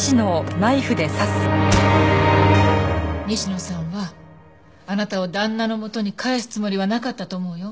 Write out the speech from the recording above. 西野さんはあなたを旦那の元に帰すつもりはなかったと思うよ。